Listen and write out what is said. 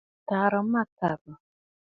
Ǹdè à tàrə mâkàbə̀.